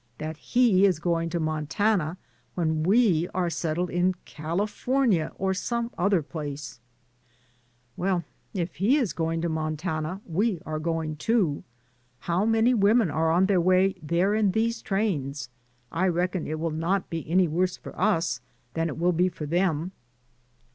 That he is going to Mon tana when we are settled in California, or some other place." DAYS ON THE ROAD. 99 "Well, if he is going to Montana, we are going, too. How many women are on their way there in these trains? I reckon it will not be any worse for us than it will be for them."